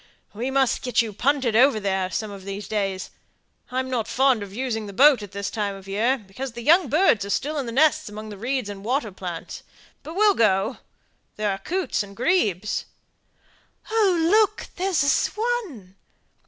"We must get you punted over there, some of these days. I'm not fond of using the boat at this time of the year, because the young birds are still in the nests among the reeds and water plants; but we'll go. There are coots and grebes." "Oh, look, there's a swan!"